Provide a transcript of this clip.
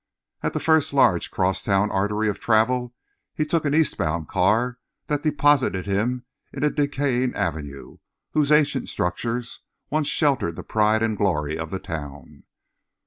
At the first large crosstown artery of travel he took an eastbound car that deposited him in a decaying avenue, whose ancient structures once sheltered the pride and glory of the town.